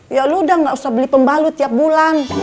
ya lu udah gak usah beli pembalut tiap bulan